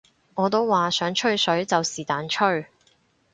我都話想吹水就是但吹